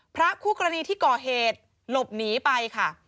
คู่กรณีที่ก่อเหตุหลบหนีไปค่ะ